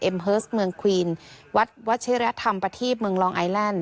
เอ็มเฮิร์สเมืองควีนวัดวัชริรัฐธรรมปฏิบเมืองลองไอแลนด์